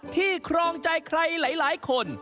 ครองใจใครหลายคน